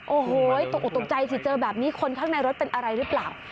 โอ้โหตกออกตกใจสิเจอแบบนี้คนข้างในรถเป็นอะไรหรือเปล่า